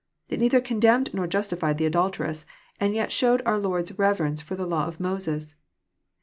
"— ^It neither condemned nor jastlfied the adolteress, and yet showed cmr Lord's reverence for the lailMbf Moses.